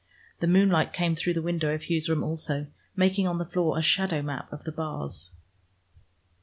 The moonlight came through the window of Hugh's room also, making on the floor a shadow map of the bars.